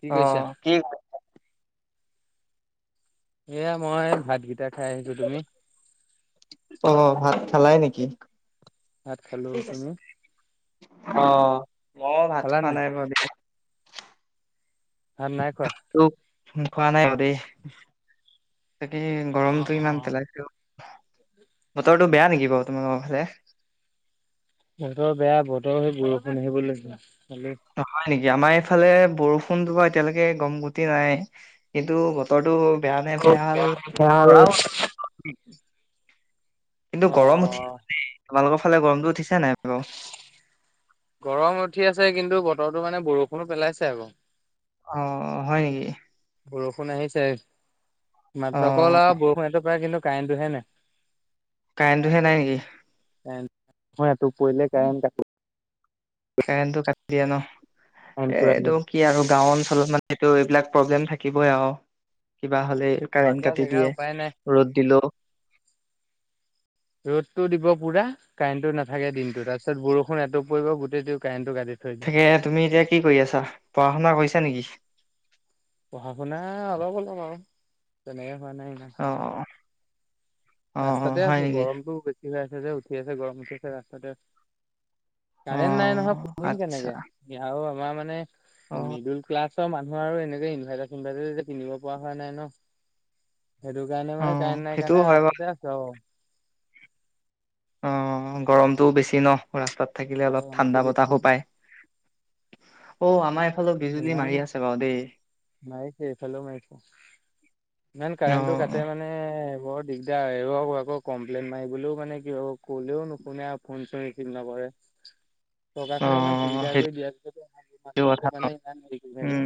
কি অ কৰিছা? কি এয়া মই ভাতকেইটা খাই আহিছো তুমি অ ভাত খালাই নেকি ভাত খালো। তুমি অ মই ভাত খোৱা নাই ভাত নাই খোৱা তোক খোৱা নাই অ দেই তাকে ই গৰমতটো ইমান পেলাইছে অ বতৰত টো বেয়া নেকি বাৰু তোমালোকৰ ফালে বতৰ বেয়া বতৰ সেই বৰষুণ আহিব ল হয় নেকি, আমাৰ এইফালে বৰষুণটো বা এতিয়ালৈকে গম গতি নাই কিন্তু বতৰটো বেয়া নে ভেয়াল খালো। ধৰাও কিন্তু অ গৰম উঠি তোমালোকৰ ফালে গৰমতটো উঠিছে নাই বাৰু গৰম উঠি আছে কিন্তু বতৰটো মানে বৰষুণো পেলাইছে আৰু অ হয় নেকি বৰষুণ আহিছে অ', মাত্ৰকলল আৰু বৰষুণটো প্ৰায় কিন্তু কাইটো হে নাই কাৰেনটো হে নাই নেকি এতোপ পৰিলে কাৰেণ কাতে কাৰেণ্টটো কাটি দিয়া ন কাৰেণ্ট পুৰা গ'ল। এটো কি আৰু গাও অঞ্চলত ন সেইটো এইবিলাক প্ৰব্লেম থাকিবই আৰু কিব হ'লে কাৰেণ্ট গাঁৱলীয়া কাটি জেগা দিয়ে উপায় নাই। ৰ'দ দিলো ৰ'দতটো দিব পুৰা কাৰেণ্টটো নাথাকে দিনতো তাৰপিছত বৰষুণ এত পৰিব গোটেইটো কাৰেণ্ট তাকে তুমি এতিয়া কি কৰি আছা পঢ়া শুনা কৰিছা নেকি পঢ়া শুনা অলপ অলম আৰু তেনেকে হোৱা নাই ইমান অ অ অ ৰাস্তাতে হয় আছো নেকি গৰমতটো বেছি হৈ আছে যে উঠি আছে গৰম উঠি আছে ৰাস্তাতে আছো অ কাৰেণ্ট নাই নহয় পঢ়িম আচ্ছা কেনেকে আমাৰ মানে অ মিডিল ক্লাছ চব মানুহ আৰু এনেকে ইনভাৰ্টাৰ চিনভাৰ্টাৰ কিনিব পৰা হোৱা নাই ন সেইটো কাৰনে অ মানে কাৰেন্ট নাই সেইটোও কানে হয় ৰা বাৰু অ আহ গৰমটোও বেছি ন ৰাস্তাত থাকিলে অলপ গৰমটো ঠাণ্ডা বেছি বতাহো পায় অ আমাৰ এইফালে বিজুলী ইমান মাৰি আছে বাৰু দেই মাৰিছে এইফালেও মাৰিছে ইমান অ কাৰেণ্টটো কাটে মানে বৰ দিগদাৰ আকৌ কমপ্লেইন মাৰিবলৈও মানে কি হ ক'লেও নুশুনে আৰু ফোন চোন ৰিচিভ নকৰে [inaudible] অ চকাৰখনে ইমান সুবিধা কৰি সেইটো দিয়া পিছটো কথা মানুহে ন মানে ইমান হেৰি কৰি থাকে। উম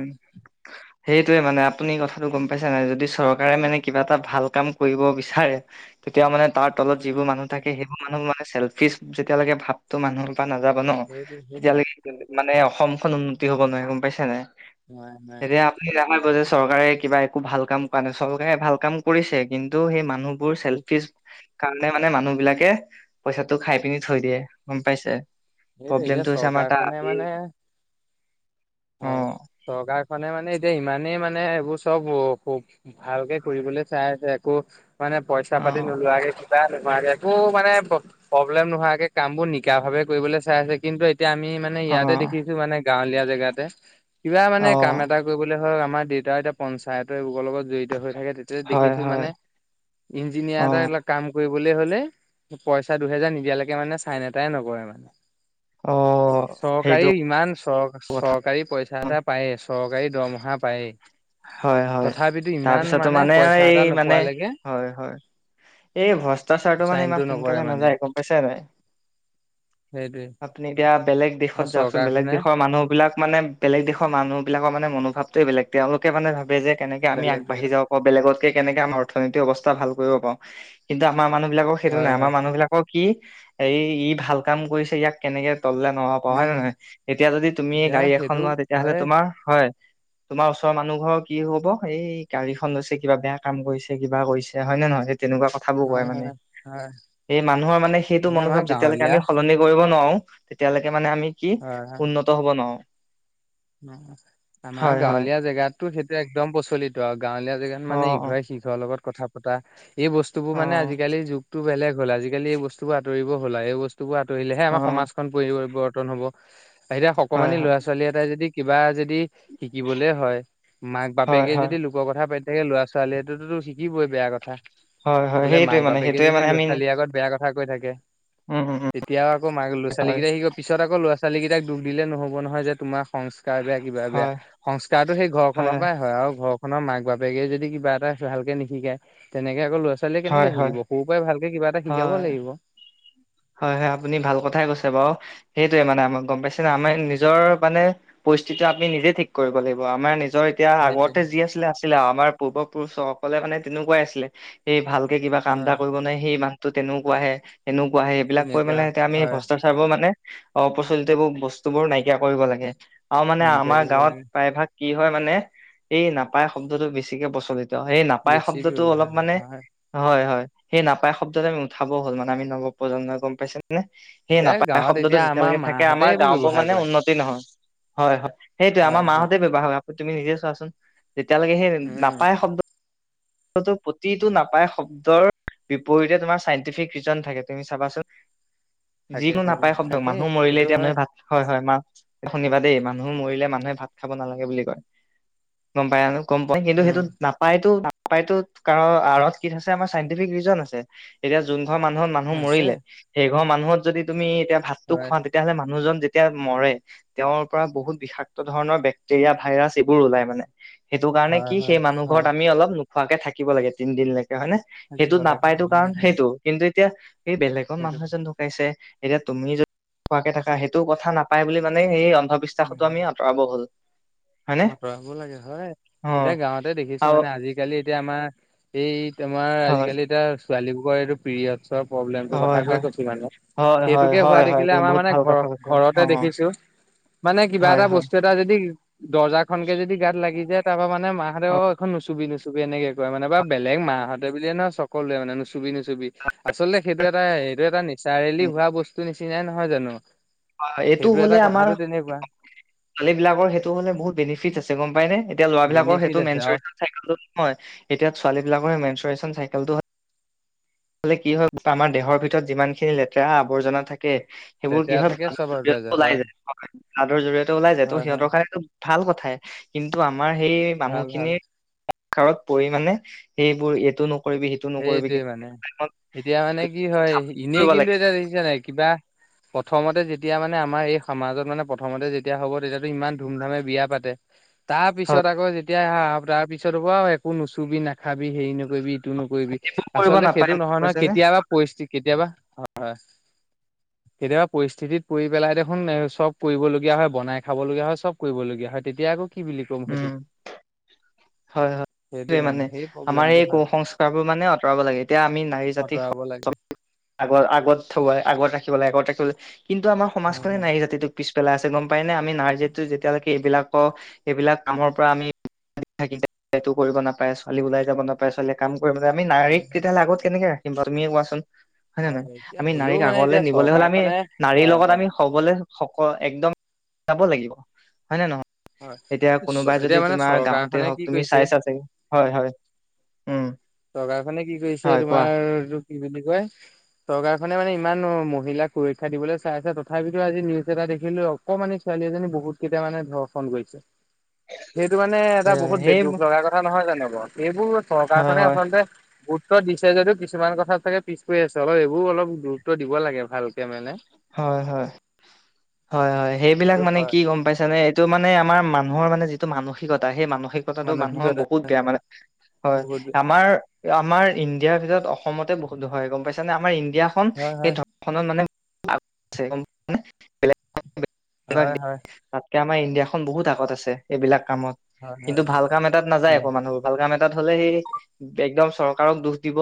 সেইটোৱে মানে আপুনি কথা টো গম পাইছে নাই যদি চৰকাৰে মানে কিবা এটা ভাল কাম কৰিব বিচাৰে তেতিয়া মানে তাৰ তলত উম, যিবোৰ মানুহ থাকে সেইটো সেইবোৰ মানুহ মানে চল্ফি যেতিয়ালৈে ভাপটো মানুহ নাযাবা ন সেইটো সেইটোৱে তেতিয়ালকে মানে অসমখন উন্নতি হব নোৱাৰে গম পাইছে নাই নাই নাই এতিয়া আপুনি জানে বজেছ চৰকাৰে কিবা একো ভাল কাম কৰা নাই চৰকাৰে ভাল কাম কৰিছে কিন্তু সেই মানুহ বোৰ বুজিছে চেল্ফিচ কালে মানে মানুহ বিলাকে পইচাটো খাই পিনি থৈ দিয়ে গম পাইছে সেইটোৱে এতিয়া প্ৰব্লেমটো হৈছে আমাৰ তাত চৰকাৰখনে মানে অ হয় চকাৰখনে মানে এতিয়া ইমানেই মানে এইবোৰ চব ভালকে কৰিবলৈ চাইছে আকৌ মানে পইচা অ পাতি নোলোৱাকে নোৱা একো মানে প্ৰব্লেম নোহোৱাকে কাম বোৰ নিকা ভাৱে কৰিবলৈ চাই আছে কিন্তু এতিয়া আমি মানে অ ইয়াতে দেখিছো মানে গাঁৱলীয়া জেগাতে কিবা মানে অ কাম এটা কৰিবলৈ ধৰক আমাৰ দেউতা এতিয়া পঞ্চায়তৰ এবোৰ লগত জড়িত হৈ থাকে তেতিয়া হয় দেখিছো হয় মানে ইঞ্জিনিয়াৰ অ এটা এইবিলাক কাম কৰিব কলে হলে পইচা দুহেজাৰ নিদিয়ালৈকে মানে চাইন এটাই নকৰে মানে অ', চৰকাৰী সেইটো ইমান চৰ কথা চৰকাৰী পইচা এটা পাই আছো চৰকাৰী দৰমহা পায়েই হয়- হয় তথাপিতো ইমান তাৰপিছতো মানে পইচা এই এটা মানে নোপোৱালৈকে হয়- হয় এই ভ্ৰষ্টাচাৰটো মানে ইমান চাইনটো নকৰে সোনকালে মানে নাযায় গম পাইছে নে নাই সেইটোৱে। আপুনি এতিয়া বেলেগ আৰু দেশত যাওকচোন বেলেগ চৰকাৰখনে দেশৰ মানুহ এইবিলাক মানে বেলেগ দেশৰ মানুহবিলাকৰ মানে মনোভাৱটোৱে বেলেগ তেওঁলোকে মানে ভাবে যে কেনেকে আমি বেলেগ আগবাঢ়ি বেলেগ যাব পাওঁ বেলেগতকে কেনেকে আমাৰ অৰ্থনীতি অৱস্থা ভাল কৰিব পাওঁ কিন্তু আমাৰ মানুহ বিলাকৰ সেইটো হয় নাই আমাৰ হয় মানুহ বিলাকক কি এই ই ভাল কাম কৰিছে ইয়াক কেনেকে তললে নমাব পাওঁ হয় নে উম। নহয় এতিয়া যদি তুমিয়ে এতিয়া গাড়ী এখন সেইটো লোৱা তেতিয়াহ'লে হয়ে তোমাৰ হয় তোমাৰ ওচ ওচৰৰ মানুহঘৰৰ কি হ'ব এই ই গাড়ীখন লৈছে কিবা বেয়া কাম কৰিছে কিবা কৰিছে হয় নে নহয় তেনেকুৱা কথাবোৰ কয় হয় মানে হয় হয় তে এই মানুহৰ মানে সেইটো এই আমাৰ মনোভাৱ যেতিয়ালৈকে গাঁৱলীয়া আমি সলনি কৰিব নোৱাৰো তেতিয়ালৈকে মানে আমি কি হয় হয়। উন্নত হব নোৱাৰো অ আমাৰ হয় হয় গাঁৱলীয়া জেগাতটো সেইটো একদম প্ৰচলিত আৰু গাঁৱলীয়া জেগাত অ মানে ইঘৰে সিঘৰৰ লগত কথা পতা এই বস্তুবোৰ অ মানে আজিকালি যুগ তো বেলেগ হ'ল আজিকালি এই বস্তুবোৰ আতৰিব হল আৰু এই বস্তুবোৰ আঁতৰিলেহে অ আমাৰ সমাজখন পৰি পৰিৱৰ্তন হ'ব এতিয়া হয় সকমানি হয় ল'ৰা ছোৱালী এটাই যদি কিবা যদি যি শিকিবলে হয় মাক হয় বাপেকে হয় যদি লোকৰ কথা পা তাকে লৰা ছোৱালীয়েটোটো শিকিবই বেয়া কথা হয় হয় বোলে সেইটোৱে মাক মানে বাপেকে সেইটোৱে যদি মানে লৰা আমি ছোৱালীৰ আগত বেয়া কথা থা কৈ থাকে উম উম উম তেতিয়াও আকৌ মাক লৰা ছোৱালী হয় কেইটা শিক পিছত আকৌ ল'ৰা ছোৱালী ছোৱালীকেইটাক দুখ দিলে নহব নহয় যে তোমাৰ সং সংকাৰ বেয়া কিবা বেয়া হয় সংস্কাৰতো সেই ঘৰখনৰ পৰাই হয় আৰু ঘৰ খনৰ মাক বাপেকে যদি কিবা এটা ভালকে নিশিকায় তেনেকে আকৌ ল'ৰা ছোৱালীয়ে হয় কেনেকে হয় শিকিব সৰু পৰাই ভাল তে কিবা এটা শিকাব হয় লাগিব হয়- হয় আপুনি ভাল কথাই কৈছে বাৰু সেইটোৱে মানে আমাক গম পাইছে ন আমাৰ নিজৰ মানে পৰিস্থিতি আমি নিজে ঠিক কৰিব লাগিব আমাৰ নিজৰ এতিয়া সেইটোৱে আগতে যি আছিলে আছিলে আৰু আমাৰ পূৰ্ব পুৰুষসকলে মানে তেনেকুৱাই আছিলে সেই ভালকে কিবা কাম এটা হয় কৰিব নোৱাৰে সেই মানুহ তো তেনেকুৱাহে এনেকুৱাহে এইবিলাক কৈ তেনেকুৱা মানে এতিয়া আমি হয় ভ্ৰষ্টাচাৰবোৰ মানে অপ্ৰচলিত এইবোৰ বস্তুবোৰ নাইকিয়া কৰিব লাগে আৰু মানে নাইকিয়া আমাৰ কৰিব গাঁৱত লাগে। প্ৰায়ভাগ কি হয় মানে এই নাপায় শব্দটো বেছিকে প্ৰচলিত ত সেই নাপায় বেছি শব্দটো অলপ ব্যৱহাৰ মানে হয় হয়- হয় সেই নাপায় শব্দটো আমি উঠাব হল মানে আমি নৱপজন্মই গম পাইছে নে এ সেই এতিয়া নাপায় গাঁৱত শব্দটো এতিয়া আমাৰ যেতিয়ালৈকে থাকে মাহঁতে আমাৰ এইবোৰ গাওঁবোৰ ব্যৱহাৰ মানে কৰে। উন্নতি নহয় হয়- হয় সেইটোয়ে আমাৰ মাহঁতে ব্যৱহাৰ হয় আকৌ তুমি নিজে চোৱাচোন তেতিয়ালৈকে সেই উম নাপায় শব্দ [unintelligible] প্ৰতিটো নাপায় শব্দৰ বিপৰীতে তোমাৰ চাইণ্টিফিক ৰিজন থাকে তুমি চাবাচোন থাকে যিকোনো থাকে নাপায় শব্দ থাকেই মানুহ মৰিলে সেইটো এতিয়া হয় ম ভাত হয় হয় মাত শুনিবা দেই মানুহ মৰিলে মানুহে ভাত খাব নালাগে বুলি কয় গম পাই আনো গম পাই কিন্তু উম সেইটোত নাপায়তো নাপায়তোত কাৰণ আঁৰত কি আছে আমাৰ চাইন্টিফিক ৰিজন আছে এতিয়া যোন ঘৰ মানুহৰ মানুহ আছে মৰিলে সেইঘৰ মানুহত যদি তুমি এতিয়া ভাতটো হয় খোৱা তেতিয়াহ'লে মানুহজন যেতিয়া মৰে তেওঁৰ পৰা বহুত বিষাক্ত ধৰণৰ বেক্টেৰিয়া ভাইৰাছ এইবোৰ ওলাই মানে সেইটো কাৰণে হয় কি সেই হয় মানুহঘৰত হয় আমি অলপ নোখোৱাকে থাকিব লাগে তিনদিন লে হয়নে সেইটো থাকিব লাগে নাপাইতো হয় কাৰণ হয়। সেইটো কিন্তু এতিয়া সেই বেলেগৰ সেইটো মানুহ এজন ঢুকাইছে এতিয়া তুমি যদি নোখোৱাকে থাকা সেইটো কথা নাপাই বুলি মানে সেই অন্ধবিশ্বাসতো উম, আমি আঁতৰাব হ'ল হয়নে আঁতৰাব লাগে হয়। অ এতিয়া গাঁৱতে দেখিছোঁ আৰু মানে আজিকালি এতিয়া আমাৰ এই তোমাৰ হয়, আজিকালি এতিয়া ছোৱালী বোৱাৰী এইটো পিৰিয়ডছৰ প্ৰব্লেমটোৰ হয়, কথাযে হয়, কৈছিলা মোক। হয়, হয়, সেইটোকে হোৱা হয়, হয়, দেখিলে তুমি আমাৰ বহুত মানে ভাল ঘৰ কথা কৈছা ঘৰতে অ', দেখিছোঁ। মানে কিবা হয়, এটা হয়, বস্তু এটা যদি দৰ্জাখন কে যদি গাত লাগি যায়, তাৰপৰা মানে মাহঁতে অ', অহ, এইখন নুচুবি-নুচুবি। এনেকে কয় মানে বা বেলেগ মাহঁতে বুলিয়ে নহয় সকলোৱে মানে নুচুবি-নুচুবি আচলতে সেইটো সেইটো এটা, এইটো এটা নেচাৰেলি হোৱা বস্তু নিচিনাই নহয় জানো? অহ, এইটো সেইটো এটা হ'লে আমাৰ কথাটো তেনেকুৱা [unintelligible] ছোৱালীবিলাকৰ সেইটো সেইটো হ'লে বহুত বেনিফিটচ আছে গম পাইনে? এতিয়া ল'ৰাবিলাকৰ বেনিফিট সেইটো আছে আৰু মেনচুৰেতি [unintelligible] নহয় এতিয়া ছোৱালীবিলাকৰ মেুনচুৰেচন চাইকেলটো হয় মানে কি হয় গম পা, আমাৰ দেহৰ ভিতৰত যিমান খিনি লেতেৰা আৱৰ্জনা থা তে সেইবোৰ কি লেতেৰা হয় থাকে [unintelligible] জৰিয়তে চাবপ্লাইজাৰ ওলাই হয় যায় [unintelligible] জৰিয়তে ওলাই যায় ত' হয় হয় সিহঁতৰ কাৰণে এইটো ভাল কথাই কিন্তু আমাৰ সেই ভাল ভাল মানুহখিনিৰ কাৰত পৰিমানে সেইবোৰ এইটো নকৰিবি, সিটো নকৰিবি, সেইটোৱে কিন্তু মানে এতিয়া মানে কি হয়, এনেই কৰিব লাগে কিন্তু এতিয়া দেখিছানে নাই কিবা প্ৰথমতে যেতিয়া মানে আমাৰ এই সমাজত মানে প্ৰথমতে যেতিয়া হ'ব তেতিয়া ইমান ধুম-ধামে বিয়া পাতে। হয় তাৰপিছত আকৌ যেতিয়া হা তাৰপিছত হ'ব একো নুচুবি নাখাবি হেৰি নকৰিবি টো নকৰিবি ফোন কৰিব আচলতে, সেইটো নাপায় নহয় নহয় কৈছেনে কেতিয়াবা পৰিস্থিতি কেতিয়াবা হয়, হয় কেতিয়াবা পৰিস্থিতিত পৰি পেলাই দেখোন, চব কৰিবলগীয়া হয়, বনাই খাব লগীয়া হয়, চব কৰিবলগীয়া হয়। হয়, তেতিয়া আকৌ কি বুলি ক'ম উম সেইটোক? হয় হয় সেইটোৱে মানে সেই আমাৰ প্ৰব্লেমটো এই হয়। [unintelligible] মানে আঁতৰাব লাগে এতিয়া আমি নাৰী জাতিক আঁতৰাব লাগে [unintelligible] আগত আগত থব আগত ৰাখিব লাগে, আগত ৰাখিব লাগে কিন্তু, আমাৰ হয়, সমাজখনে হয়। নাৰি জাতিটোক পিছ পেলাই আছে গম পায় নে? আমি নাৰীজাতিটোক যেতিয়ালৈকে এইবিলাক, এইবিলাক কামৰ পৰা আমি [unintelligible] থাকি [unintelligible] এইটো কৰিব নাপায়, ছোৱালী ওলাই যাব নাপায়, ছোৱালীয়ে কাম কৰিবলে আমি নাৰীক তেতিয়াহ'লে আগত কেনেকে ৰাখিম বাৰু তুমিয়ে কোৱাচোন? হয়নে হয়, নহয়? এতিয়া আমি হ'লেও নাৰীক মানে আগলে এতিয়া নিবলৈ হ'লে আমি চৰকাৰখনে নাৰীৰ হয়, লগত হয়, আমি সবলে সবলে একদম যাব লাগিব হয় নে নহয়? হয়। এতিয়া কোনোবাই যদি এতিয়া মানে তোমাৰ গাঁৱতে চৰকাৰখনে হওঁক কি তুমি কৰিছে চাইছা চাগে হয়, হয়। উম চৰকাৰখনে কি কৰিছে, হয় কোৱা তোমাৰ এইটো কি বুলি কয়? চৰকাৰখনে মানে ইমান মহিলাক সুৰক্ষা দিবলৈ চাই আছে, তথাপিতো আজি নিউজ এটা দেখিলোঁ অকমানি ছোৱালী এজনী বহুত কেইটা মানে ধৰ্ষণ কৰিছে। সেইটো মানে এ এটা বহুত বে সেই দুখ লগা কথা নহয় জানোঁ বাৰু এইবোৰ [unintelligible] হয় হয় আচলতে উত্তৰ দিছে যদিও কিছুমান কথা চাগে পিছ পৰি আছে, অলপ এইবোৰ অলপ গুৰুত্ব দিব লাগে ভালকে মানে। হয়, হয়। হয়, হয়। সেইবিলাক সেইটো মানে হয় কি গম পাইছানে এইটো মানে আমাৰ মানুহৰ মানে মানসিকতা সেই মানসি মানসিকতাটো মানুহৰ মানসিকতা বহুত বেয়া মানে হয়, বহুত বেয়া আমাৰ আমাৰ ইণ্ডিয়াৰ ভিতৰত অস অসমতে বহুত হয় গম পাইছ নে? আমাৰ ইণ্ডিয়াখন হয়, সেই হয়, ধৰ্ষণত মানে [unintelligible] হয়, হয়। তাতকে আমাৰ ইন ইন্দিয়াখন বহুত আগত আছে এইবিলাক কামত, হয় কিন্তু হয় ভাল কাম এটাত নাযায় উম আকৌ মানুহবোৰ ভাল কাম এটা তাত হ'লে সেই এক্দম চৰকাৰক দোষ দিব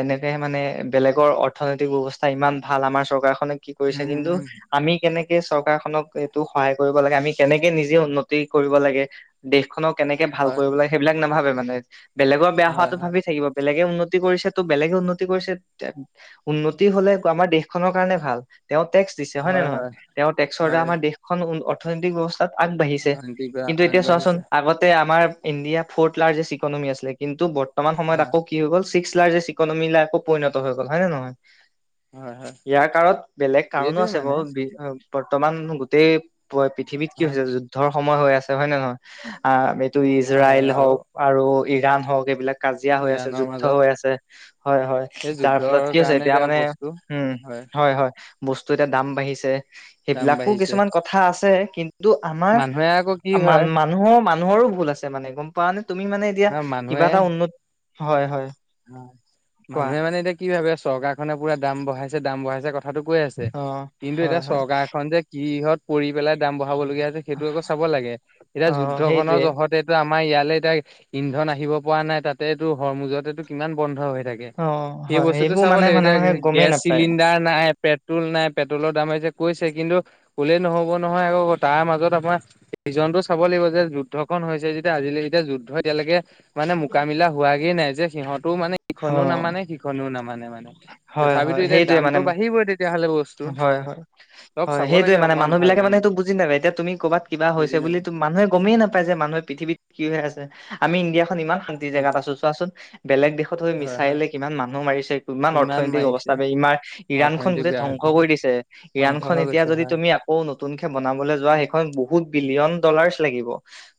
এনেকে মানে বেলেগৰ অৰ্থনৈতিক ব্যৱস্থা ব্যৱস্থা ইমান ভাল, আমাৰ চৰকাৰখনে কি কৰিছে উম কিন্তু উম আমি কেনেকে চৰকাৰখনক এইটো সহায় কৰিব লাগে, আমি কেনেকে নিজে উন্নতি কৰিব লাগে। দেশ খনক কেনেকে ভাল হয় কৰিব লাগে সেইবিলাক নাভাবে মানে, বেলেগৰ বেয়া হয় হোৱাতো হয় ভাবি থাকিব। বেলেগ বেলেগে উন্নতি কৰিছে, ত' বেলেগে উন্নতি কৰিছে, উন্নতি হ'লে আমাৰ দেশখনৰ কাৰণে ভাল। তেওঁ টেক্স দিছে হয়নে হয় নহয়? হয় তেওঁ টেক্সৰ দ্বাৰা হয় আমাৰ দেশখন অৰ্থনৈতিক ব্যৱস্থা তাত আগবাঢ়িছে অৰ্থনৈতিক বা কিন্তু এতিয়া চোৱাচোন আগবাঢ়িছে আগতে আমাৰ ইণ্ডিয়া ফৰ্থ লাৰ্জেষ্ট ইকনমি আছিলে, কিন্তু বৰ্তমান সময়ত হয় আকৌ কি হৈ গ'ল চিক্স লাৰ্জষ্ট ইকনমিলে আকৌ পৰিণত হৈ গ'ল হয় নে নহয়? হয় হয়। ইয়াৰ কাৰত বেলেগ কাৰণো সেইটোৱে আছে মানে বাৰ বি বৰ্তমান গোটেই পৃথিৱীত কি হয় হৈছে যুদ্ধৰ সময় হৈ আছে, হয় নে নহয়, আহ ত হয় ইজৰাইল হয় আৰু হওক আৰু ইৰাণ হওক এইবিলাক কাজিয়া হৈ আছে ইৰাণৰ যুদ্ধ মাজত হৈ আছে, হয় হয়, সেই যাৰ যুদ্ধৰ ফলত কি হৈছে কাৰণে এতিয়া মানে, বস্তু উম, হয় হয়। বস্তু এতিয়া দাম বাঢ়িছে, দাম সেইবিলাকো বাঢ়িছে কিছুমান কথা আছে কি কিন্তু, আমাৰ মানুহে আকৌ কি মান হয় মানুহৰ মান মানুহৰো ভুল আছে মানে গম পোৱা নে, তুমি মানে এতিয়া আহ কিবা এটা মানুহে উন্নত, হয়, হয়। কোৱা মানুহে মানে এতিয়া কি ভাবে চৰকাৰখনে পুৰা দাম বঢ়াইছে দাম বঢ়াইছে ক কথাটো কৈ আছে, অ কিন্তু হয় এতিয়া হয় চৰকাৰখন যে কিহত পৰি পেলাই দাম াব সেইটো আকৌ একো চাব লাগে এতিয়া অ যুদ্ধ খনৰ সেইটোৱে জতে আম আমাৰ ইয়ালৈ, এতিয়া ইন্ধন আহিব পৰা নাই তাতেটো হৰ মুজতেটো কিমান বন্ধ হৈ থাকে, অ সেই হয় বস্তুতটো সেইবোৰ চাব মানে লাগিব এতিয়া মানুহে গমেই গেছ নাপায় চিলিণ্ডাৰ নাই পেট্ৰল নাই পেট্ৰলত মাৰিছে কৈছে কিন্তু, কলে নহব নহয় আকৌ তাৰ মাজত আপমাৰ িজনটো চাব লাগিব যে যুদ্ধ ক হৈছে যেতিয়া আজিলৈকে যেতিয়া যুদ্ধ এতিয়ালৈকে মানে মোকামিলা হোৱাগে নাই যে সিহঁতও মানে অ ইখননেও নামানে সিখননেও নামানে মানে। হয় হয় তথাপিতো এতিয়া সেইটোৱে মানে দামতটো বাঢ়িবই তেতিয়াহলে বস্তু, হয় হয় চব হয় চাব সেইটোৱে লাগে মানে অকনমান মানুহ ভাল বিলাকে মানে হেতু বুজি নাপায়, এতিয়া তুমি ক'বাত কা হৈছে, বুজি বুলি নাপায়। মানুহে গমেই নাপায় যে মানুহে পৃথিৱিত কি হৈ আছে। আমি ইণ্ডিয়া খন ইমান শান্তি জেগাত আছো চোৱাচোন, বেলেগ দেশত হৈ হয় হয় মিছাইলে কিমান মানুহ মাৰিছে। কিমান ইমান অৰ্থনৈতিক মাৰিছে অৱস্থা ইমাৰ, ইৰাণখন অৰ্থনীতি গোটেই বেয়া ধ্বংস হৈছে কৰি দিছে, ধ্বংস ইৰানখন হৈ এতিয়া গৈছে যদি হয়। তুমি আকৌ নতুনকে বনাবলৈ যোৱা সেইখন বহুত ভিয়ন দলাৰ লাগিব,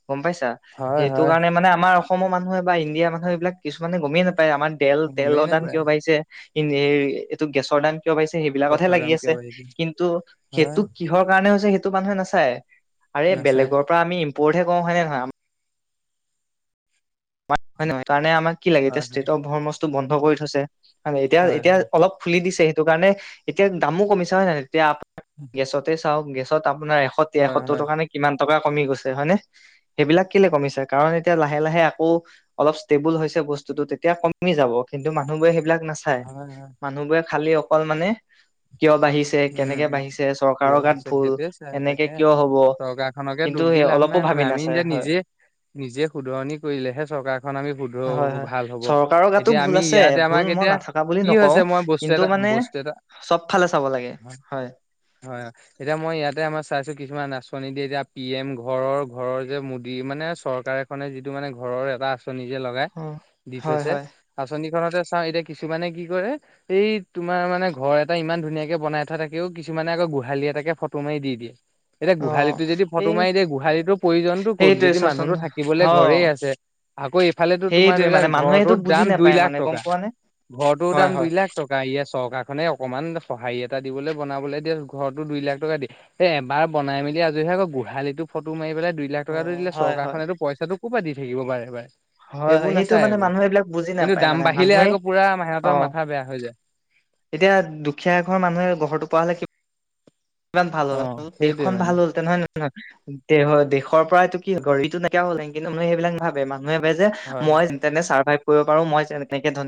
গম পাইছা, হয় সেইটো হয় কাৰনে মানে আমাৰ অসমত অসমৰ মানুহে বা ইণ্ডিয়াৰ মানুহে এইবিলাক কিছুমানে গমেই নাপায় আমাৰ তেল গমেই তেলৰ দান নাপায় কিয় বাঢিছে। ই এইটো গেছৰ ধান কিয় পাইছে সেইবিলাকতহে গেছৰ লাগি দাম কিয় আছে, বাঢ়িছে কিন্তু হয়। সেইটো, কিহৰ কাৰণে হৈছে সেইটো মানুহে নাচায়। আৰে নাচায় বেলেগৰ পৰা আমি ইম্পৰ্টহে কওঁ হয় নে নহয়। হয় নহয় তাৰণে আমাক কি লাগে হয় এতিয়া হয় ষ্টট অৰ্মচটো বন্ধ কৰি থৈছে। হয় ন এতিয়া, এতিয়া অলপ ফুলি দিছে সেইটো কাৰণে, এতিয়া দামো কমিছে হয় নে নহ এতিয়া গেছতে চাও গেছত আপোনাৰ এশ হয় তিৰাসত্তৰ হয় টকা নে কিমান টকা কমি গৈছে হয় নে, সেইবিলাক কেলে কমিছে কাৰণ এতিয়া লাহে লাহে ৌ অলপ ষ্টেবুল হৈছে বস্তুতটো তেতিয়া কমি যাব কিন্তু মানুহবোৰে সেইবিলাক নাচাই, হয় হয় মানুহ বোৰে খালি অকল মানে কিয় বাঢ়িছে উম কেনেকে উম বাঢ়িছে কিয় চৰকাৰৰ গাত হৈছে ভুল, সেইটোৱে চাই এনেকে তাকে কিয়, হব চৰকাৰখনকে কিন্তু দুখ দি লাভ অলপো নাই মানে ভাবি আমি নাছাই এতিয়া হয়। নিজে নিজে শুধৰণি কৰি লেহে চৰকাৰখন আমি শুধ হয় হয় ভাল হ'ব চৰকাৰৰ গাতো এতিয়া ভুল আমি আছে ইয়াতে ভুল আমাক মই এতিয়া, নাথাকা বুলি কি হৈছে মই বস্তু, এটা বস্তু, এটা চবফালে চাব লাগে। হয় হয় হয়, এতিয়া মই ইয়াতে আমাৰ চাইছো কিছুমান আছো আঁচনি দিয়ে এতিয়া পি এম ঘৰৰ ঘৰৰ যে মোদী মানে চৰকাৰ এখনে যিটো মানে ঘৰৰ এটা আছে। আচনি যে লগাই, অ দি হয় থৈছে, হয় আঁচনি তে চাও এতিয়া কিছুমানে কি কৰে, এই তোমাৰ মানে ঘৰ এটা ইমান ধুনীয়াকে বনাই থাকিও কিছুমানে আকৌ গোহালি এটাকে ফটো মাৰি দি দিয়ে। এতিয়া অ গোহালিতটো যদি ফটো এই মাৰি দিয়ে গোহালিতটো প্ৰয়োজনতটো ক'ত সেইটোৱে যদি চোৱাচোন মানুহতো থাকিবলৈ অ ঘৰেই আছে। আকৌ এইফালেতো তোমাৰ সেইটোৱে ধৰি লোৱা মানে মানুহে সেইটো ঘৰটোৰ বুজি দাম দুই নাপায় লাখ মানে গম টকা। পোৱা নে ঘৰটোৰ হয় দাম দুই হয় লাখ টকা ইয়াত চৰকাৰখনে অকমান সহাৰি এটা দি দিবলৈ বনাবলৈ দিয়ে, ঘৰতো দুই লাখ টকা দিয়ে, এই এবাৰ বনাই মেলি আজৰিহ আকৌ গোহালিত ো ফটো মাৰি পেলাই দুই লাখ অ টকাটো দিলে হয় হয় চৰকাৰখনেতো পইচাটো ক'ৰ পৰাত দি থাকিব বাৰে বাৰে। হয় হয় সেইবোৰ সেইটো নাচাই মানে আকৌ মানুহে এইবিলাক বুজি কিন্তু নাপায় দাম মানে বাঢ়িলে মানুহে আকৌ পুৰা অ মাহঁতৰ মাথা বেয়া হৈ যায় এতিয়া দুখীয়া এ ঘৰ মানুহে ঘৰটো পোৱা হ'লে কি ইমান ভাল অ হ'ল সেইটোৱে দেশখন মানে। ভাল হলতে নহয় নহয় হৰ দেশৰ পৰাইতটো কি গ়ত নকিয়া হ'ল নে কিন্তু সেইবিলাক ন ভাবে ম ানে বাই যে হয়। মইনে চাৰ্ভাইভ কৰিব পাৰো মই তেনেকে ধ